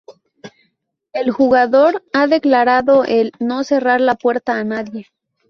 El jugador ha declarado el "no cerrar la puerta a nadie".